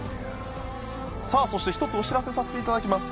そして１つお知らせさせていただきます。